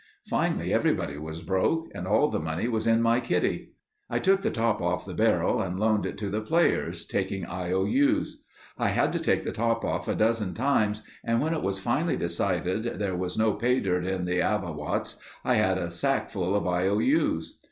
Finally everybody was broke and all the money was in my kitty. I took the top off the barrel and loaned it to the players, taking I.O.U.'s, I had to take the top off a dozen times and when it was finally decided there was no pay dirt in the Avawatz, I had a sack full of I.O.U.'s.